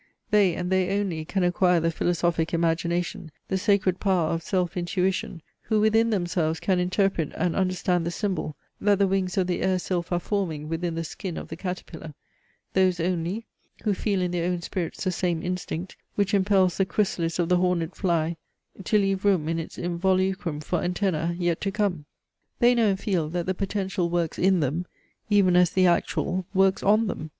They and they only can acquire the philosophic imagination, the sacred power of self intuition, who within themselves can interpret and understand the symbol, that the wings of the air sylph are forming within the skin of the caterpillar; those only, who feel in their own spirits the same instinct, which impels the chrysalis of the horned fly to leave room in its involucrum for antenna, yet to come. They know and feel, that the potential works in them, even as the actual works on them!